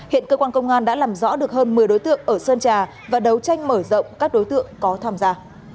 hiện cơ quan công an đã làm rõ được hơn một mươi đối tượng ở sơn trà và đấu tranh mở rộng các đối tượng có tham gia